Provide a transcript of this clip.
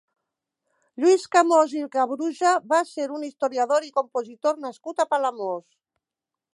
Lluís Camós i Cabruja va ser un historiador i compositor nascut a Palamós.